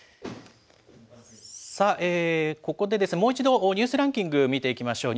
さあ、ここでもう一度ニュースランキング、見ていきましょう。